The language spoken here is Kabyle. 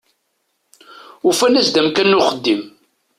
Ufan-as-d amkan n uxeddim.